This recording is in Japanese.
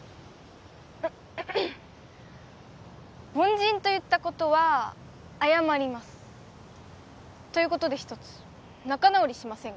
凡人と言ったことは謝りますということで一つ仲直りしませんか？